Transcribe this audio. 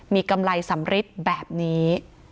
มีกำไรสำริทแบบนี้